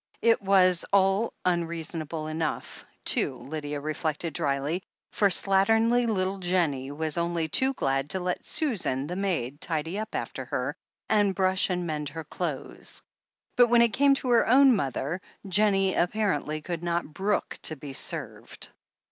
It was all imreasonable enough, too, Lydia reflected dryly, for slatternly little Jennie was only too glad to let Susan, the maid, tidy up after her, and brush and mend her clothes. But when it came to her own mother, Jennie apparently could not brook to be served.